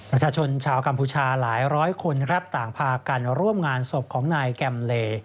ประชาชนชาวกัมพูชาหลายร้อยคนครับต่างพากันร่วมงานศพของนายแกมเล